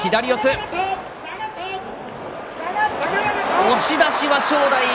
押し出しは正代。